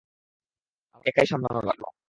আমাকে একাই সামলানো লাগলো।